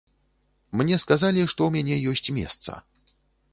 Мне сказалі, што ў мяне ёсць месца.